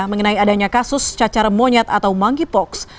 mengenai adanya kasus cacar monyet atau monkeypox